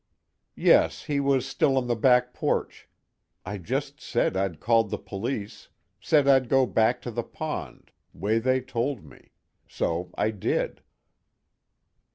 "Yes, he was still on the back porch. I just said I'd called the police, said I'd go back to the pond, way they told me. So I did."